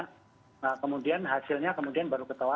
nah kemudian hasilnya kemudian baru ketawa